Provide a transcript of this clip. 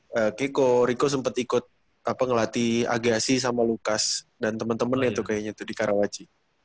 kayaknya kok riko sempet ikut ngelatih agasi sama lukas dan temen temennya tuh kayaknya tuh di karawaci